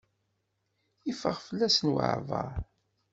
Iffeɣ fell-as waɛbaṛ.